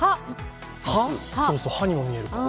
歯にも見えるかも。